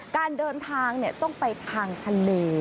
การเดินทางต้องไปทางทะเล